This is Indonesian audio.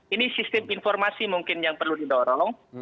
ini sistem informasi mungkin yang perlu didorong